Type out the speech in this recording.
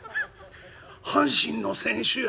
阪神の選手や！